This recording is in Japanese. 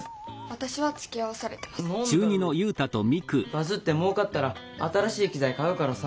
バズってもうかったら新しい機材買うからさ。